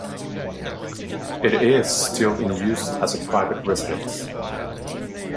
It is still in use as a private residence.